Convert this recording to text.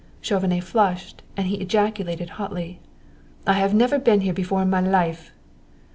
Chauvenet flushed and he ejaculated hotly: "I have never been here before in my life."